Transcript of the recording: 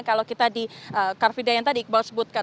kalau kita di carvide yang tadi iqbal sebutkan